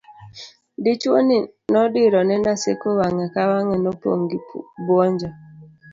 dichuo ni nodiro ne Naseko wang'e ka wang'e nopong' gi buonjo